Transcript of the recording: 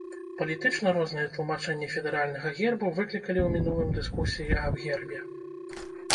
Палітычна розныя тлумачэнні федэральнага гербу выклікалі ў мінулым дыскусіі аб гербе.